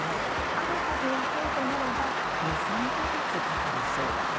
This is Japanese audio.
新たに雇うとなれば２３か月かかりそうだと。